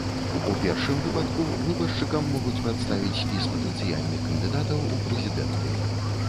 У першым выпадку, выбаршчыкам могуць прадставіць спіс патэнцыяльных кандыдатаў у прэзідэнты.